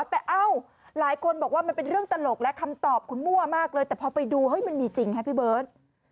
แต่เอ้าหลายคนบอกว่ามันเป็นเรื่องตลกและคำตอบคุณมั่วมากเลยแต่พอไปดูเฮ้ยมันมีจริงครับพี่เบิร์ต